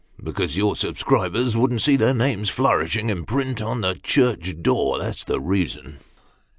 because your subscribers wouldn't see their names flourishing in print on the church door that's the reason."